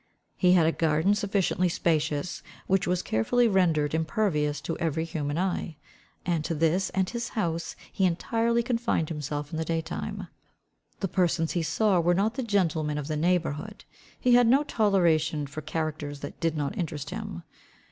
He had a garden sufficiently spacious, which was carefully rendered impervious to every human eye. And to this and his house he entirely confined himself in the day time. The persons he saw were not the gentlemen of the neighbourhood. He had no toleration for characters that did not interest him.